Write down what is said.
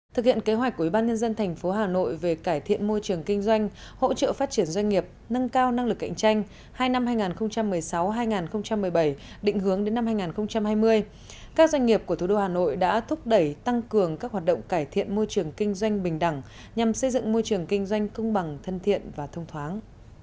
thực hiện kế hoạch của ủy ban nhân dân thành phố hà nội về cải thiện môi trường kinh doanh hỗ trợ phát triển doanh nghiệp nâng cao năng lực cạnh tranh hai năm hai nghìn một mươi sáu hai nghìn một mươi bảy định hướng đến năm hai nghìn hai mươi các doanh nghiệp của thủ đô hà nội đã thúc đẩy tăng cường các hoạt động cải thiện môi trường kinh doanh bình đẳng nhằm xây dựng môi trường kinh doanh công bằng thân thiện và thông thoáng